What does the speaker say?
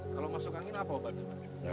kalau masuk angin apa obatnya